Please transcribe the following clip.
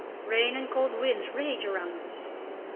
Rain and cold winds rage around us.